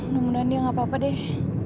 namun rani nggak apa apa deh